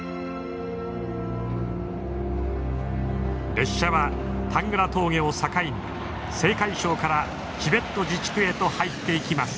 列車はタングラ峠を境に青海省からチベット自治区へと入っていきます。